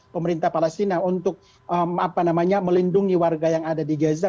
pemerintah palestina untuk melindungi warga yang ada di gaza